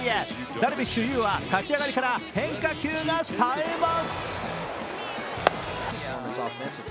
ダルビッシュ有は立ち上がりから変化球がさえます。